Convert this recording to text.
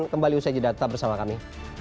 kembali usai di data bersama kami